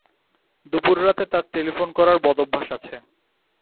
দুপুররাতে তাঁর টেলিফোন করার বদঅভ্যাস আছে।